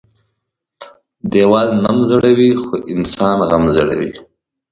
ديوال نم زړوى خو انسان غم زړوى.